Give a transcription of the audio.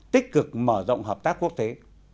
tích cực mở rộng hợp tác quốc tế